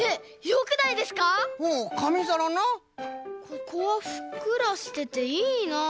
ここはふっくらしてていいな。